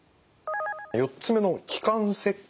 ４つ目の気管切開。